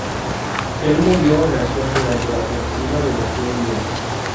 Él murió en acción durante la Ofensiva de los Cien Días.